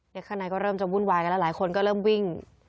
ข้างในก็เริ่มจะวุ่นวายกันแล้วหลายคนก็เริ่มวิ่ง